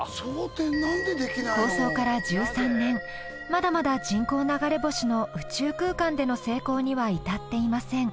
まだまだ人工流れ星の宇宙空間での成功には至っていません。